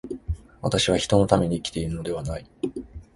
私は人のために生きているのではない。